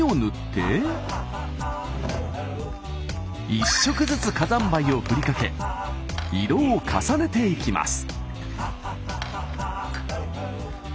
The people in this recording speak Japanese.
１色ずつ火山灰をふりかけ色を重ねていきます。